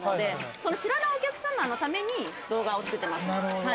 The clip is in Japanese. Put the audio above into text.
知らないお客様のために動画を作っています。